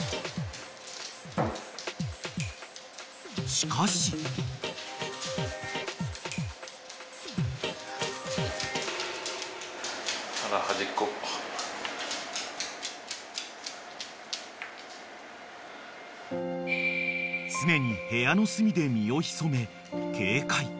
［しかし］［常に部屋の隅で身を潜め警戒。